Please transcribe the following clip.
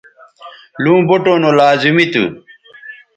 لوں بوٹوں نو لازمی تھو